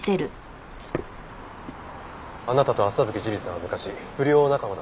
あなたと朝吹樹里さんは昔不良仲間だった。